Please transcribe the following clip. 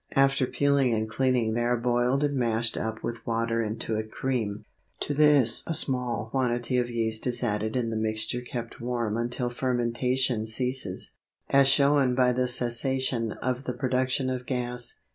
After peeling and cleaning they are boiled and mashed up with water into a cream. To this a small quantity of yeast is added and the mixture kept warm until fermentation ceases, as shown by the cessation of the production of gas.